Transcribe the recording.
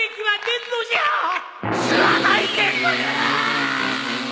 吸わないでくれ！